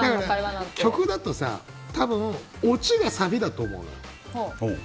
曲だとオチがサビだと思うの。